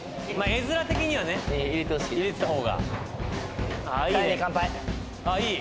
画面的にはね入れてたほうがあっいい